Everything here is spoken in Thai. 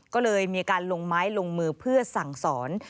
ก็เลยมีการลงไม้ลงมือเพื่อสั่งสอน